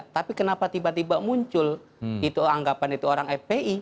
tapi kenapa tiba tiba muncul itu anggapan itu orang fpi